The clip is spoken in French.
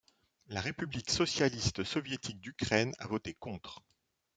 La République Socialiste Soviétique d'Ukraine a voté contre.